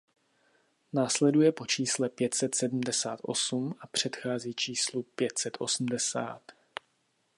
Následuje po čísle pět set sedmdesát osm a předchází číslu pět set osmdesát.